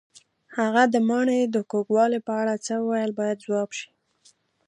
هغه د ماڼۍ د کوږوالي په اړه څه وویل باید ځواب شي.